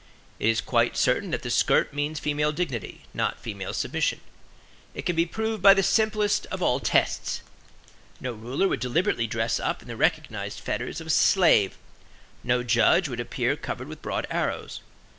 It is quite certain that the skirt means female dignity, not female submission; it can be proved by the simplest of all tests. No ruler would deliberately dress up in the recognized fetters of a slave; no judge would appear covered with broad arrows.